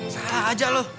salah aja lu